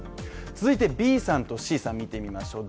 続いて、ＢさんとＣさんを見てみましょう。